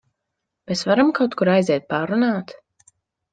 Mēs varam kaut kur aiziet parunāt?